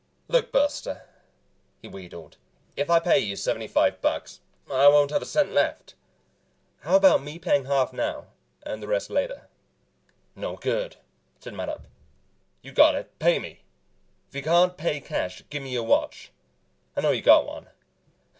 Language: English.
"Look, buster," he wheedled. "If I pay you seventy five bucks I won't have a cent left. How about me paying half now and the rest later?" "No good," said Mattup. "You got it pay me. If you can't pay cash gimme your watch. I know you got one."